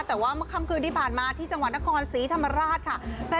แต่ว่าเมื่อค่ำคืนที่ผ่านมาที่จังหวัดนครศรีธรรมราชค่ะ